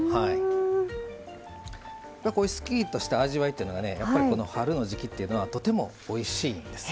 こういうすっきりとした味わいというのがねやっぱり春の時季というのはとてもおいしいんです。